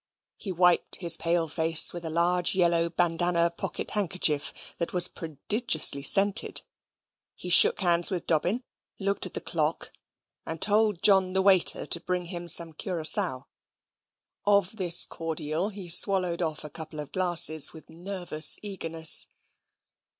He wiped his pale face with a large yellow bandanna pocket handkerchief that was prodigiously scented. He shook hands with Dobbin, looked at the clock, and told John, the waiter, to bring him some curacao. Of this cordial he swallowed off a couple of glasses with nervous eagerness.